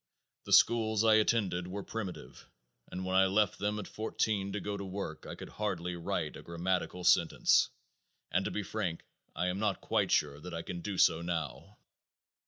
The schools I attended were primitive and when I left them at fourteen to go to work I could hardly write a grammatical sentence; and to be frank I am not quite sure that I can do so now.